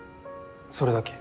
それだけ。